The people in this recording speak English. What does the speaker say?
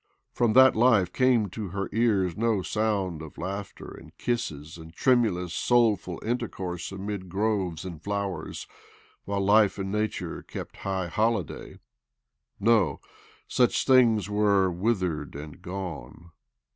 From that life came to her ears no sound of laughter and kisses and tremulous, soulful intercourse amid groves and flowers, while life and nature kept high holiday. No, such things were "withered and gone."